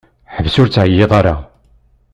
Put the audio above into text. Ḥbes ur ttɛeyyiḍ ara.